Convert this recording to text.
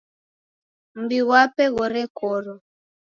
Mumbi ghwape ghorekorwa.